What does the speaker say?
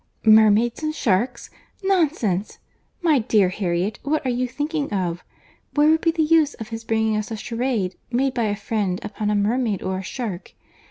"Mermaids and sharks! Nonsense! My dear Harriet, what are you thinking of? Where would be the use of his bringing us a charade made by a friend upon a mermaid or a shark?